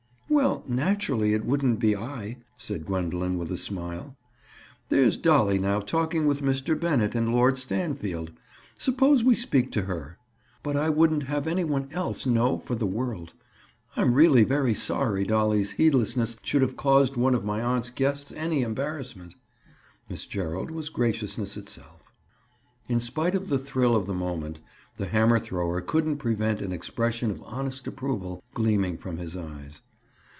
"Well, naturally, it wouldn't be I," said Gwendoline with a smile. "There's Dolly now talking with Mr. Bennett and Lord Stanfield, Suppose we speak to her. But I wouldn't have any one else know for the world. I'm really very sorry Dolly's heedlessness should have caused one of my aunt's guests any embarrassment." Miss Gerald was graciousness itself. In spite of the thrill of the moment, the hammer thrower couldn't prevent an expression of honest approval gleaming from his eyes.